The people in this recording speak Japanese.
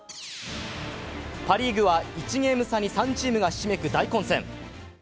パリーグは１ゲーム差に３チームがひしめく大混戦。